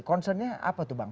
concernnya apa tuh bang